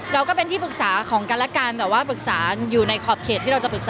เราเป็นที่ปรึกษาของกันแต่เป็นทองปรึกษาในครอบเขต